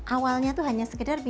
awalnya itu hanya sekedar